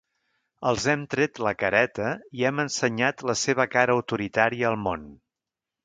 Els hem tret la careta i hem ensenyat la seva cara autoritària al món.